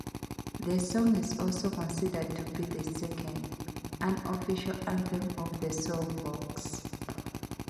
The song is also considered to be the second, unofficial anthem of the Slovaks.